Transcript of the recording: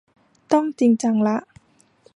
ต้อง จริงจังละ